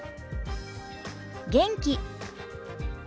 元気。